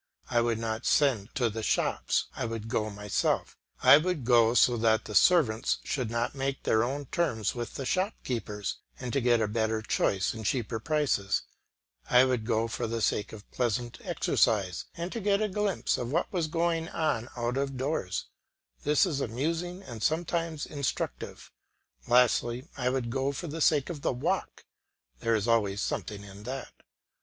I would not send to the shops, I would go myself; I would go so that my servants should not make their own terms with the shopkeepers, and to get a better choice and cheaper prices; I would go for the sake of pleasant exercise and to get a glimpse of what was going on out of doors; this is amusing and sometimes instructive; lastly I would go for the sake of the walk; there is always something in that.